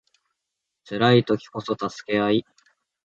辛い時こそ助け合い